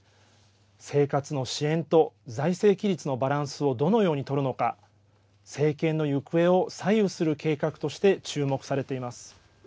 生活の支援と財政規律のバランスをどのように取るのか政権の行方を左右する計画として注目されています。